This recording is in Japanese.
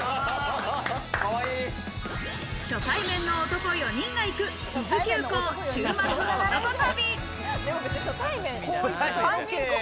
初対面の男４人が行く伊豆急行、週末男旅。